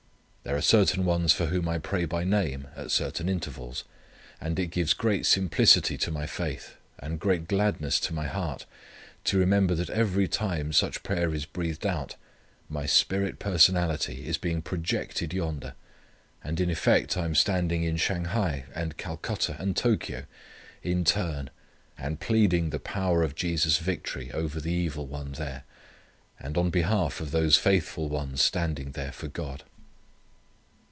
There are certain ones for whom I pray by name, at certain intervals. And it gives great simplicity to my faith, and great gladness to my heart to remember that every time such prayer is breathed out, my spirit personality is being projected yonder, and in effect I am standing in Shanghai, and Calcutta and Tokyo in turn and pleading the power of Jesus' victory over the evil one there, and on behalf of those faithful ones standing there for God.